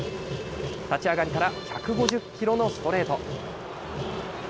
立ち上がりから１５０キロのストレート。